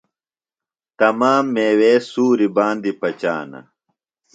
تمام میوے سُوریۡ باندیۡ پچانہ۔